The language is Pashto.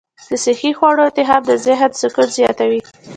د صحي خواړو انتخاب د ذهن سکون زیاتوي.